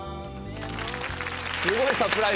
すごいサプライズ！